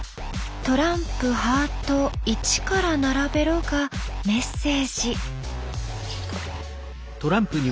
「トランプハート１から並べろ」がメッセージ。